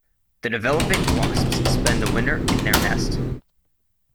The developing wasps spend the winter in their nest.